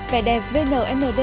vẻ đẹp vnmd